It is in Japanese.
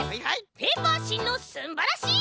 「ペーパーしんのすんばらしいところ！」。